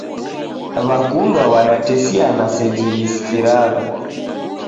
Wakundwa wadatesiana seji wisikiragha.